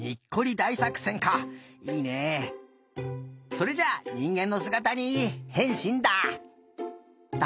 それじゃあにんげんのすがたにへんしんだ。